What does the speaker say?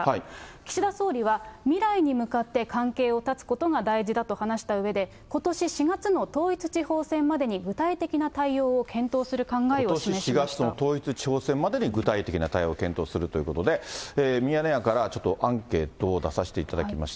岸田総理は、未来に向かって関係を断つことが大事だと話したうえで、ことし４月の統一地方選までに具体的な対応を検討する考えを示しことし４月の統一地方選までに具体的な対応を検討するということで、ミヤネ屋からちょっとアンケートを出させていただきました。